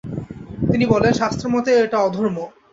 তিনি বলেন শাস্ত্রমতে ওটা অধর্ম।